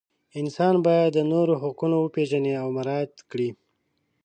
انسان باید د نورو حقونه وپیژني او مراعات کړي.